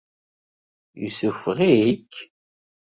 Yessuffeɣ-ik?